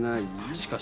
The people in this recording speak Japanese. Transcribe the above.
しかし。